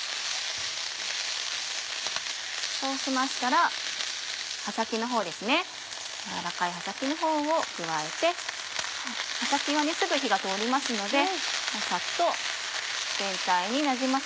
そうしましたら葉先のほうですね柔らかい葉先のほうを加えて葉先はすぐ火が通りますのでサッと全体になじます